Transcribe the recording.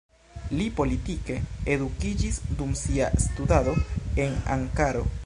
Li politike edukiĝis dum sia studado en Ankaro.